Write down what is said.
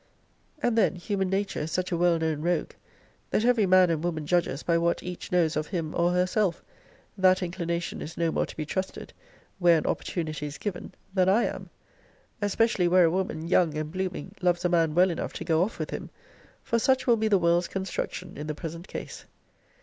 And then human nature is such a well known rogue, that every man and woman judges by what each knows of him or herself, that inclination is no more to be trusted, where an opportunity is given, than I am; especially where a woman, young and blooming, loves a man well enough to go off with him; for such will be the world's construction in the present case.